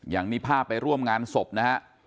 อย่างนี้ภาพไปร่วมงานศพนะฮะ